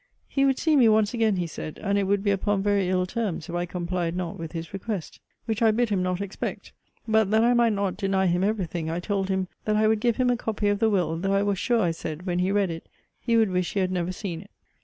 He would see me once again, he said; and it would be upon very ill terms if I complied not with his request. Which I bid him not expect. But, that I might not deny him every thing, I told him, that I would give him a copy of the will; though I was sure, I said, when he read it, he would wish he had never seen it.